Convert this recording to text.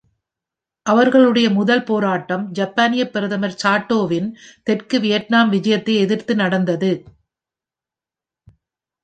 அவர்களுடைய முதல் போராட்டம் ஜப்பானிய பிரதமர் சாட்டோவின் தெற்கு வியெட்நாம் விஜயத்தை எதிர்த்து நடந்தது.